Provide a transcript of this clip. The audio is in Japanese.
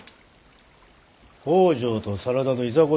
北条と真田のいざこざよ。